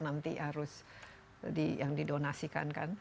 nanti harus yang didonasikan kan